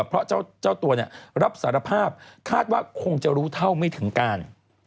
เพราะเจ้าตัวรับสารภาพคาดว่าคงจะรู้เท่าไม่ถึงการ